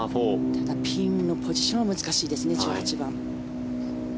ただ、ピンのポジションは難しいですね。